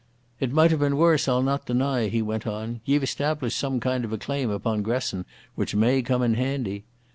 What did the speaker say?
"It might have been worse, I'll not deny," he went on. "Ye've established some kind of a claim upon Gresson, which may come in handy....